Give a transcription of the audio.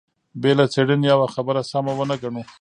بې له څېړنې يوه خبره سمه ونه ګڼو.